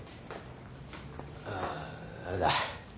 ああれだ。